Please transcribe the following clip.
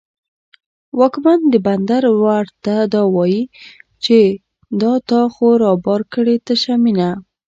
واکمن د بندر ورته دا وايي، چې دا تا خو رابار کړې تشه مینه